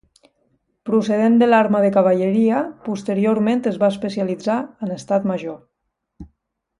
Procedent de l'Arma de Cavalleria, posteriorment es va especialitzar en Estat Major.